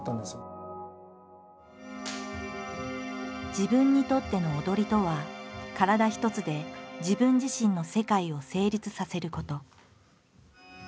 自分にとっての踊りとは体一つで自分自身の世界を成立させること。